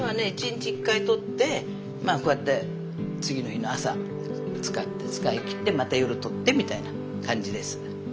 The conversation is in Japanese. １日１回とってまあこうやって次の日の朝使って使い切ってまた夜とってみたいな感じです。